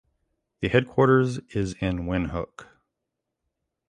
The headquarters is in Windhoek.